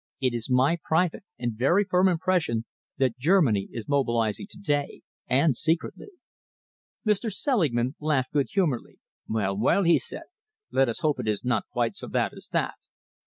It is my private and very firm impression that Germany is mobilising to day, and secretly." Mr. Selingman laughed good humouredly. "Well, well," he said, "let us hope it is not quite so bad as that."